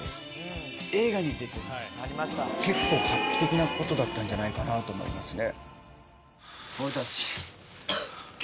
なことだったんじゃないかなと思いますね。